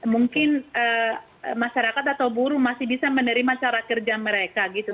mungkin masyarakat atau buruh masih bisa menerima cara kerja mereka gitu